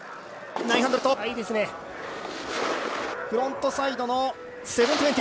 フロントサイドエア。